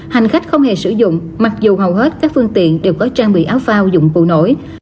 hành khách không hề sử dụng mặc dù hầu hết các phương tiện đều có trang bị áo phao dụng cụ nổi